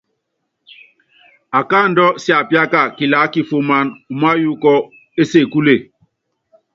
Akáandú siapiáka kilaá kifuman, umáyuukɔ ésekule.